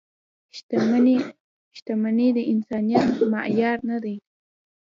• شتمني د انسانیت معیار نه دی.